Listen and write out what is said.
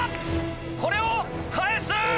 これを返す！